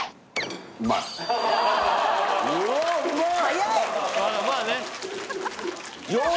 うわうまい！